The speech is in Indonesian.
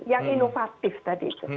yang inovatif tadi itu